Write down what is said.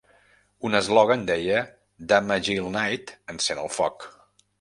Un eslògan deia: "Dama Jill Knight encén el foc!"